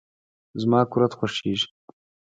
زما قورت خوشیزی.